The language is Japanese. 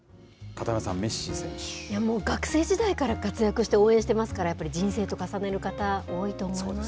もう学生時代から活躍して応援してますから、やっぱり人生と重ねる方、多いと思いますよ。